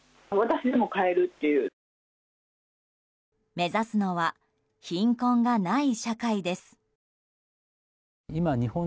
目指すのは貧困がない社会です。